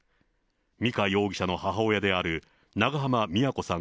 美香容疑者の母親である長濱美也子さん